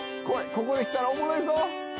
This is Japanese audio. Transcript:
ここで来たらおもろいぞ。